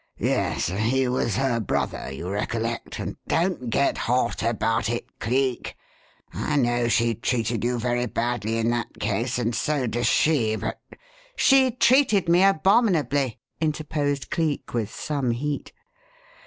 "Yes. He was her brother, you recollect, and don't get hot about it, Cleek. I know she treated you very badly in that case, and so does she, but " "She treated me abominably!" interposed Cleek, with some heat.